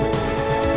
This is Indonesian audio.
kita makan malam